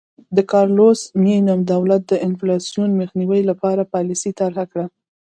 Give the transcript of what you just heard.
د کارلوس مینم دولت د انفلاسیون مخنیوي لپاره پالیسي طرحه کړه.